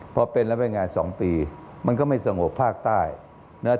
พอเป็นแล้วไปงาน๒ปีมันก็ไม่สงบภาคใต้นะครับ